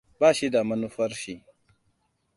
Ba shi da munafurci.